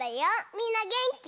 みんなげんき？